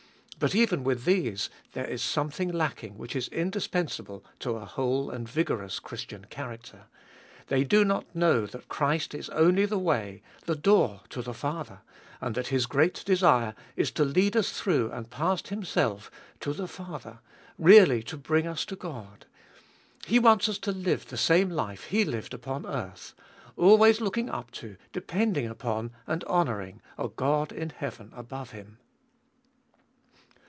But even with these, there is something lacking which is indispensable to a whole and vigorous Christian character. They do not know that Christ is only the way, the door to the Father, and that His great desire is to lead us through and past Himself to the Father, really to bring us to God ! He wants us to live the same life He lived upon earth — always looking up to, de pending upon, and honouring a God in heaven above Him.